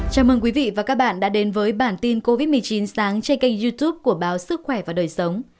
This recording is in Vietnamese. chào mừng quý vị và các bạn đã đến với bản tin covid một mươi chín sáng trên kênh youtube của báo sức khỏe và đời sống